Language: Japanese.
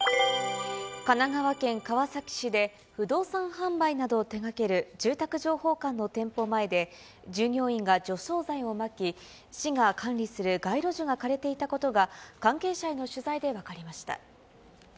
神奈川県川崎市で、不動産販売などを手がける住宅情報館の店舗前で、従業員が除草剤をまき、市が管理する街路樹が枯れていたことが、関係者への取材で分かりました。